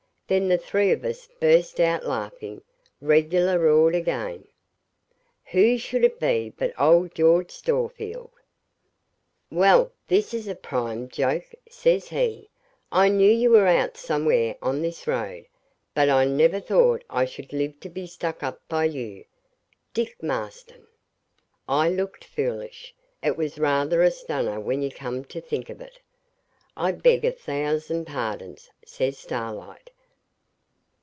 Then the three of us burst out laughing regular roared again. Who should it be but old George Storefield. 'Well, this is a prime joke,' says he. 'I knew you were out somewhere on this road; but I never thought I should live to be stuck up by you, Dick Marston.' I looked foolish. It was rather a stunner when you come to think of it. 'I beg a thousand pardons,' says Starlight.